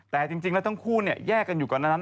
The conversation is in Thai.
แต่จริงแล้วทั้งคู่แยกกันอยู่ก่อนนั้น